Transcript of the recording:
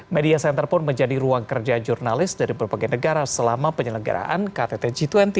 media center pun menjadi ruang kerja jurnalis dari berbagai negara selama penyelenggaraan ktt g dua puluh